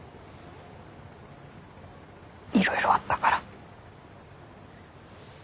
いろいろあったから。